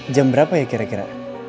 jam berapa ya kira kira